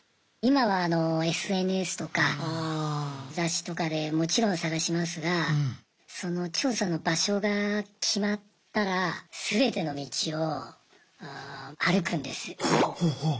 今はあのＳＮＳとか雑誌とかでもちろん探しますがその調査の場所が決まったら全ての道を歩くんです。